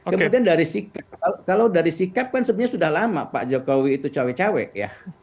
kemudian dari sikap kalau dari sikap kan sebenarnya sudah lama pak jokowi itu cawe cawek ya